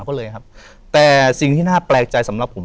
เขาเลยครับแต่สิ่งที่น่าแปลกใจสำหรับผม